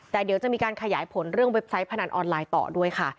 แต่เดี๋ยวจะมีการขยายผลเรื่องเว็บไซต์พนันออนไลน์ต่อด้วยค่ะ